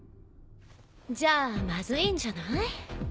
じゃあまずいんじゃない？